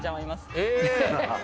えっ